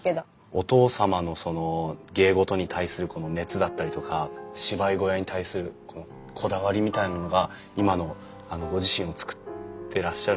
お父様のその芸事に対するこの熱だったりとか芝居小屋に対するこだわりみたいなものが今のご自身を作ってらっしゃる。